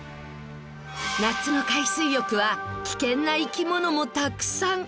夏の海水浴は危険な生き物もたくさん！